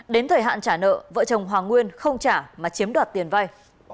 đến thời hạn trả nợ vợ chồng hoàng nguyên không trả mà chiếm đoạt tiền vay